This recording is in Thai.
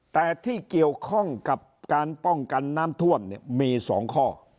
แต่ที่เกี่ยวข้องกับการป้องกันน้ำท่วมเนี่ยมี๒ข้อ